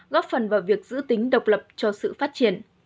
góp phần vào việc giữ tính độc lập cho sự phát triển